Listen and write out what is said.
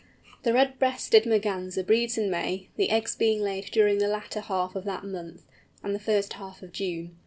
The Red breasted Merganser breeds in May, the eggs being laid during the latter half of that month, and the first half of June.